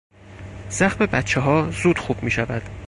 زخم بچهها زود خوب میشود.